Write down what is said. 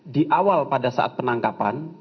di awal pada saat penangkapan